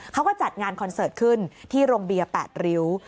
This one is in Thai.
เขาก็จัดงานคอนเสิร์ตขึ้นที่โรงเบียร์๘ริ้ว